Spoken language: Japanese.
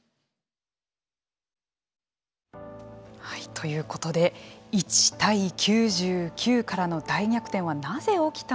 ということで１対９９からの大逆転はなぜ起きたのか。